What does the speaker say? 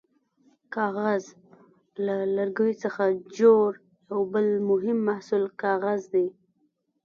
کاغذ: له لرګیو څخه جوړ یو بل مهم محصول کاغذ دی.